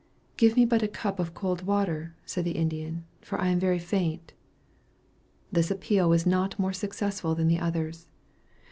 "Give me but a cup of cold water," said the Indian, "for I am very faint." This appeal was not more successful than the others.